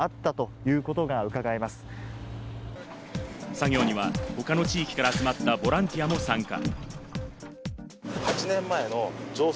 作業には他の地域から集まったボランティアも参加。